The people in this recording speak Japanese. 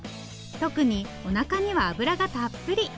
特におなかには脂がたっぷり！